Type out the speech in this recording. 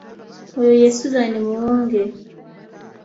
Oyo ye Suzan Muwonge.